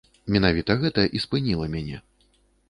Менавіта гэта і спыніла мяне.